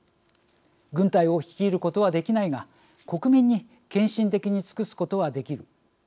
「軍隊を率いることはできないが国民に献身的に尽くすことはできる」